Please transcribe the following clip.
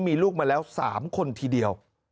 มีลูกมาแล้ว๓คนทีเดียว